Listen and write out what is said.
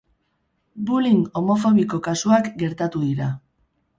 Bullying homofobiko kasuak gertatu dira.